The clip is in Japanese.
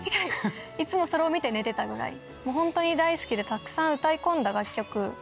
いつもそれを見て寝てたぐらいホントに大好きでたくさん。